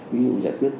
ví dụ giải quyết